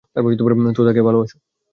তো, তাকে ভালবাসো?